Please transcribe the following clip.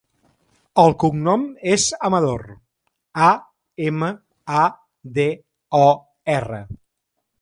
El cognom és Amador: a, ema, a, de, o, erra.